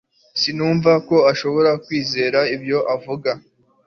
sinumva ko nshobora kwizera ibyo avuga